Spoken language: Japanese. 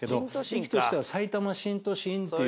駅としてはさいたま新都心っていう